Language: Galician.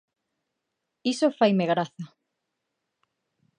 Iso faime graza.